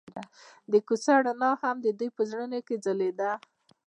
د کوڅه رڼا هم د دوی په زړونو کې ځلېده.